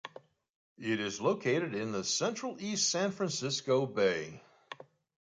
It is located in the central East San Francisco Bay.